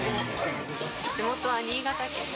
地元は新潟県。